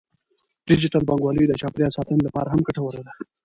ډیجیټل بانکوالي د چاپیریال ساتنې لپاره هم ګټوره ده.